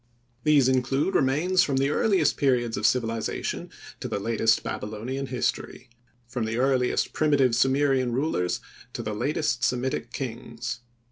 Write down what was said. These include remains from the earliest periods of civilization to the latest Babylonian history, from the earliest primitive Sumerian rulers to the latest Semitic kings.